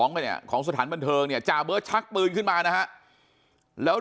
ไปเนี่ยของสถานบันเทิงเนี่ยจ่าเบิร์ตชักปืนขึ้นมานะฮะแล้ว